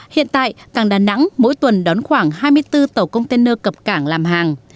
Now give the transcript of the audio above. hiện tại cảng đà nẵng mỗi tuần đón khoảng hai mươi bốn tàu container cập cảng làm hàng